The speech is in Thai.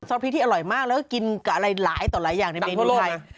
พริกที่อร่อยมากแล้วก็กินกับอะไรหลายต่อหลายอย่างในเมนูไทย